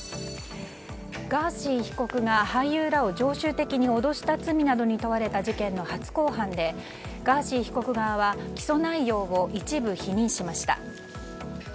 ガーシー被告が俳優らを常習的に脅した罪などに問われた事件の初公判でガーシー被告側は起訴内容を一部否認しました。